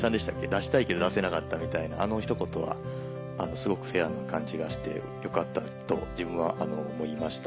「出したいけど出せなかった」みたいなあの一言はすごくフェアな感じがしてよかったと自分は思いました。